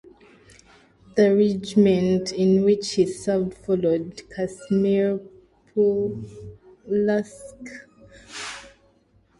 The regiment in which he served followed Casimir Pulaski.